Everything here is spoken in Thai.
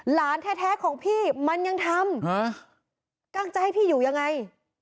หลานแท้ของพี่มันยังทำตั้งใจให้พี่อยู่ยังไง